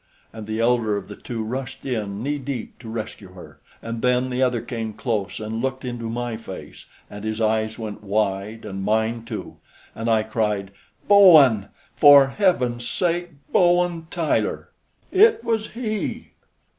and the elder of the two rushed in knee deep to rescue her, and then the other came close and looked into my face, and his eyes went wide, and mine too, and I cried: "Bowen! For heaven's sake, Bowen Tyler!" It was he.